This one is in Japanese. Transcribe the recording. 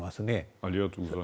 ありがとうございます。